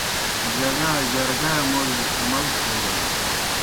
جگا جرگائے موڙِجیْ امَل تھیگان۔